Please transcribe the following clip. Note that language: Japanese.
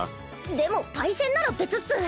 でもパイセンなら別っス。